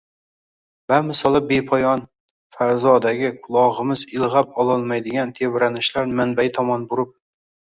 bamisli bepoyon fazodagi qulog‘imiz ilg‘ab ololmaydigan tebranishlar manbai tomon burib